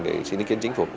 để xin ý kiến chính phủ